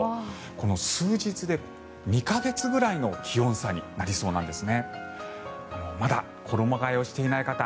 この数日で２か月ぐらいの気温差になりそうなんです。